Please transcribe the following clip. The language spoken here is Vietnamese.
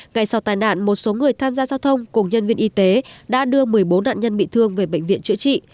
ngày sau tai nạn một số người tham gia giao thông cùng nhân viên y tế đã đưa một mươi bốn nạn nhân bị thương về bệnh viện chữa trị